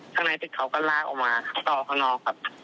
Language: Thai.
ข้างในตึกเขาก็ลากออกมาต่อข้างนอกครับ